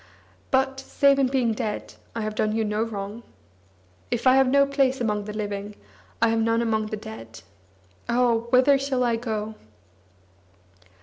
"But, save in being dead, I have done you no wrong. If I have no place among the living, I have none among the dead. Oh! whither shall I go?"